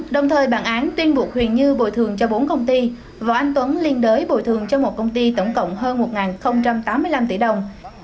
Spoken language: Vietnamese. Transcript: đồng thời bản án tuyên buộc huỳnh như bồi thường cho bốn công ty võ anh tuấn liên đối bồi thường cho một công ty tổng cộng hơn một tám mươi năm tỷ đồng